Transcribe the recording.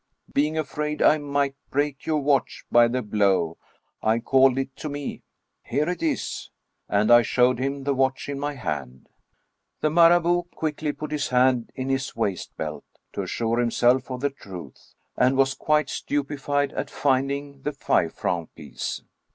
Being afraid I might break your watch by the blow, I called it to me: here it is!" And I showed him the watch in my hand. The Marabout quickly put his hand in his waist belt, to assure himself of the truth, and was quite stupefied at find ing the five franc piece.